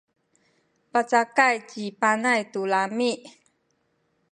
pacakay ci Panay tu lami’.